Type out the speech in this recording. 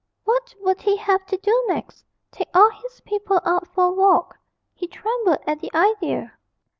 What would he have to do next? take all his people out for a walk. He trembled at the idea.